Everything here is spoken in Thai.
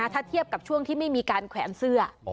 ถ้าเทียบกับช่วงที่ไม่มีการแขวนเสื้อ